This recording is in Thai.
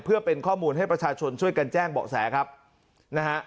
เพื่อเป็นข้อมูลให้ประชาชนช่วยกันแจ้งเบาะแสครับนะฮะ